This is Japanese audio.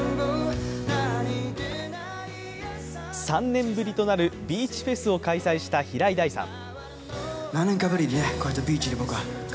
３年ぶりとなるビーチフェスを開催した平井大さん。